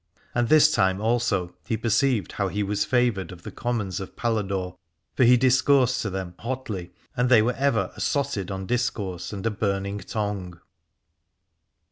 And this time also he perceived how he was favoured of the commons of Paladore ; for he discoursed to them hotly, and they were ever assotted on discourse and on a burning tongue.